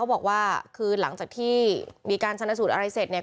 เขาบอกว่าคือหลังจากที่มีการสรรสุทธิ์อะไรเสร็จเนี่ย